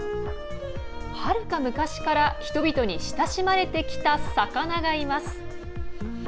はるか昔から人々に親しまれてきた魚がいます。